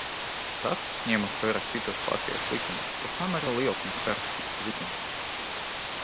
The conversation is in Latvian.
Tas, ņemot vērā citus Latvijas likumus, ir samērā liels un sarežģīts likums.